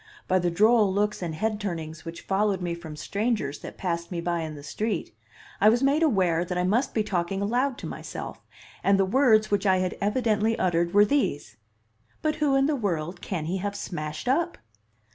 By the droll looks and head turnings which followed me from strangers that passed me by in the street, I was made aware that I must be talking aloud to myself, and the words which I had evidently uttered were these: "But who in the world can he have smashed up?"